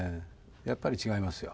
やっぱり違いますよ。